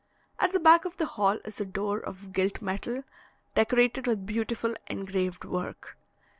At the back of the hall is a door of gilt metal, decorated with beautiful engraved work.